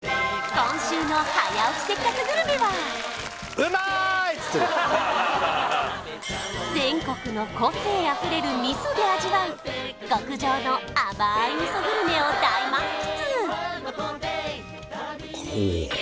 今週の「早起きせっかくグルメ！！」は全国の個性あふれる味噌で味わう極上の甘い味噌グルメを大満喫！